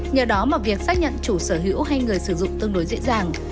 nhờ đó mà việc xác nhận chủ sở hữu hay người sử dụng tương đối dễ dàng